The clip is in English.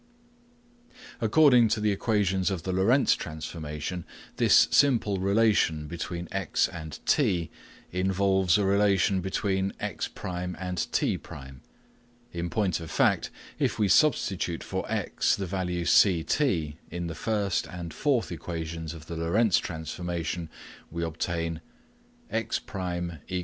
According to the equations of the Lorentz transformation, this simple relation between x and t involves a relation between x1 and t1. In point of fact, if we substitute for x the value ct in the first and fourth equations of the Lorentz transformation, we obtain: eq.